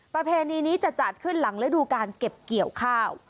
ประเพณีนี้จะจัดขึ้นหลังฤดูการเก็บเกี่ยวข้าว